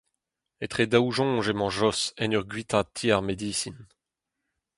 Etre daou soñj emañ Jos en ur guitaat ti ar medisin.